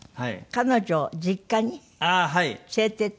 彼女を実家に連れて行った。